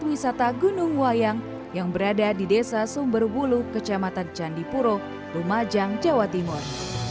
wisata gunung wayang yang berada di desa sumberbulu kecamatan candipuro lumajang jawa timur